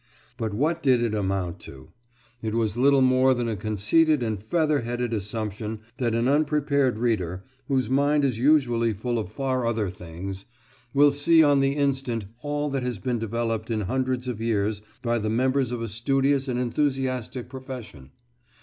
But what did it amount to? It was little more than a conceited and feather headed assumption that an unprepared reader, whose mind is usually full of far other things, will see on the instant all that has been developed in hundreds of years by the members of a studious and enthusiastic profession.